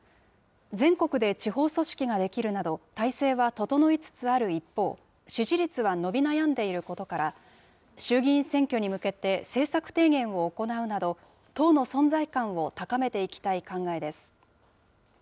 全国で地方組織が出来るなど、体制は整いつつある一方、支持率は伸び悩んでいることから、衆議院選挙に向けて政策提言を行うなど、党の存在感を高めていきたい考えです。